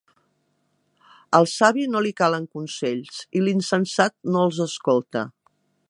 Al savi no li calen consells, i l'insensat no els escolta.